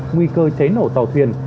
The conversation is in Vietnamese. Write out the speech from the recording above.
nguy cơ cháy nổ tàu thuyền